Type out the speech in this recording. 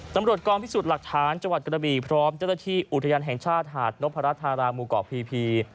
ตำรวจกองพิสูจน์หลักฐานจังหวัดกระบีพร้อมเจ้าหน้าที่อุทยานแห่งชาติหาดนพรัชธารามหมู่เกาะพีพี